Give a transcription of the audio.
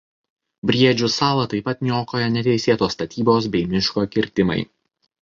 Briedžių salą taip pat niokoja neteisėtos statybos bei miško kirtimai.